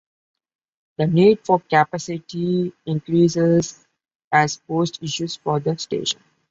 The need for capacity increases has posed issues for the station.